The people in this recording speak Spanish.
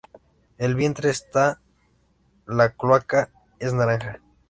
El vientre hasta la cloaca es naranja.